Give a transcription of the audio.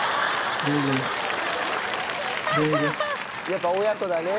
やっぱ親子だね。